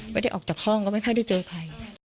ไม่ได้ออกจากห้องก็ไม่ค่อยได้เจอใคร